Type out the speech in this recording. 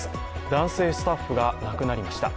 男性スタッフが亡くなりました。